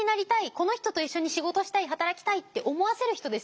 この人と一緒に仕事したい。働きたい」って思わせる人ですよね。